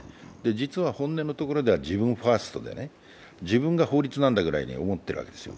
実は本音のところでは自分ファーストでね、自分が法律なんだぐらいに思っているわけです。